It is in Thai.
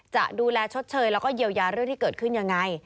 จะดูแลชดเชยและเยลยารถยุ่นที่เกิดขึ้นยังไง